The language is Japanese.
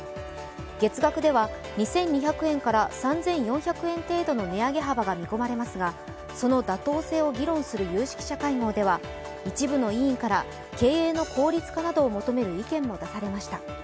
月額では２２００円から３４００円程度の値上げ幅が見込まれますがその妥当性を議論する有識者会合では一部の委員から経営の効率化などを求める意見も出されました。